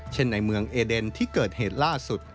ในเมืองเอเดนที่เกิดเหตุล่าสุด